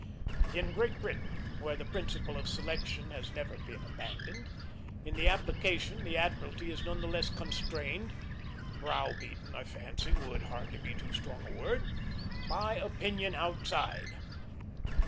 In Great Britain, where the principle of selection has never been abandoned, in the application the Admiralty is none the less constrained browbeaten, I fancy, would hardly be too strong a word by opinion outside.